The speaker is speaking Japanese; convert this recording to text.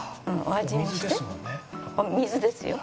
お水ですよ。